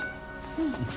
うん。